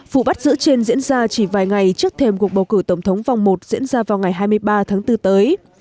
vụ bắt giữ trên diễn ra chỉ vài ngày trước thềm cuộc bầu cử tổng thống vòng một diễn ra vào ngày hai mươi ba tháng bốn tới